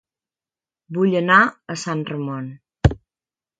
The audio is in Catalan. Vull anar a Sant Ramon